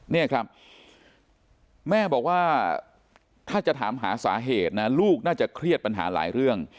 นี่ครับแม่บอกว่าถ้าจะถามหาสาเหตุนะลูกน่าจะเครียดปัญหาหลายเรื่อง